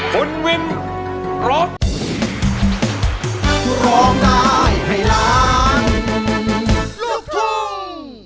คุณวิมร้อง